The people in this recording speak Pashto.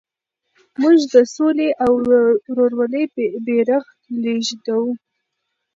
موږ د سولې او ورورولۍ بیرغ لېږدوو.